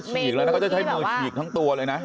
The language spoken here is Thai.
เขาจะฉีกละมันทำเมนูที่่งมันจะใช้มือฉีกทั้งตัวเลยนะ